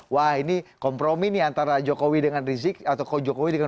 wah ini kompromi nih antara jokowi dengan rizik atau jokowi dengan dua ratus dua belas